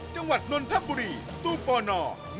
จังหวัดนนทัพบุรีตู้ปน๑๑๑๒๐